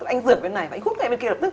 anh rửa bên này anh hút ngay bên kia lập tức